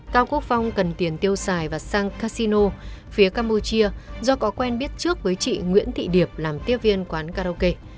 cao quốc phong cần tiền tiêu xài và sang casino phía campuchia do có quen biết trước với chị nguyễn thị điệp làm tiếp viên quán karaoke